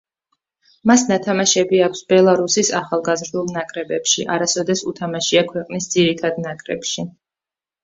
მას ნათამაშები აქვს ბელარუსის ახალგაზრდულ ნაკრებებში, არასოდეს უთამაშია ქვეყნის ძირითად ნაკრებში.